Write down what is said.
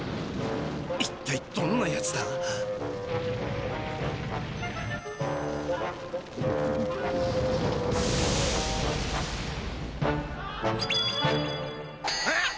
一体どんなやつだ？えっ？